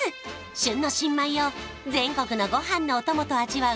旬の新米を全国のご飯のお供と味わう